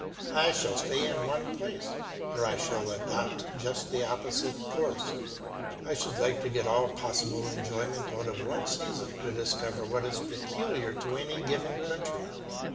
I shall stay in one place, or I shall adopt just the opposite course; I should like to get all possible enjoyment out of one season to discover what is peculiar to any given country.